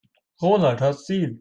Ronald hat Stil.